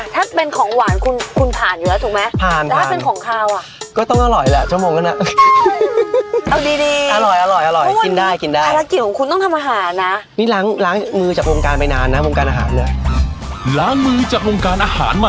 ถ้าเป็นของหวานคุณคุณผ่านอยู่แล้วถูกไหมผ่าน